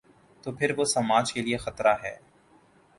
تو پھر وہ سماج کے لیے خطرہ ہے۔